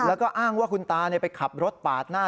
แล้วก็อ้างว่าคุณตาไปขับรถปาดหน้า